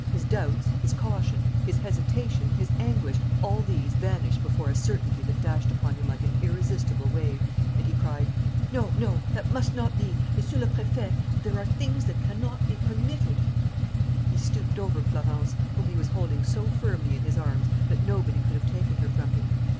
His doubts, his caution, his hesitation, his anguish: all these vanished before a certainty that dashed upon him like an irresistible wave. And he cried: "No, no, that must not be! Monsieur le Préfet, there are things that cannot be permitted " He stooped over Florence, whom he was holding so firmly in his arms that nobody could have taken her from him.